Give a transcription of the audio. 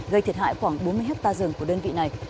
gây thiệt hại khoảng bốn mươi hectare rừng của đơn vị này